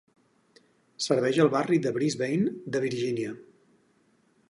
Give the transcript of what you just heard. Serveix al barri de Brisbane de Virgínia.